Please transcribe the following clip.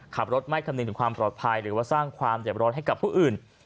ขับรถไม่คำนึงถึงความปลอดภัยหรือว่าสร้างความเจ็บร้อนให้กับผู้อื่น